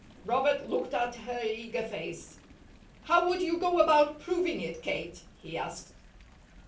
Robert looked at her eager face. "How would you go about proving it, Kate?" he asked.